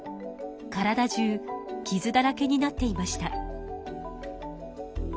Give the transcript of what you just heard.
体中きずだらけになっていました。